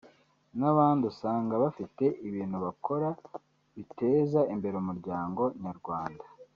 n’abandi usanga bafite ibintu bakora biteza imbere umuryango nyarwanda